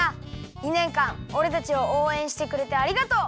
２ねんかんおれたちをおうえんしてくれてありがとう！